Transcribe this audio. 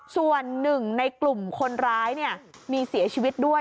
ส่วนหนึ่งในกลุ่มคนร้ายมีเสียชีวิตด้วย